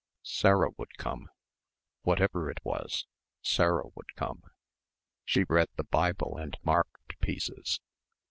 Sarah would come. Whatever it was, Sarah would come. She read the Bible and marked pieces....